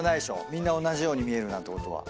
みんな同じように見えるなんて。